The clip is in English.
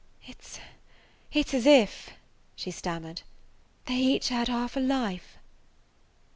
"It 's–it 's as if," she stammered, "they each had half a life."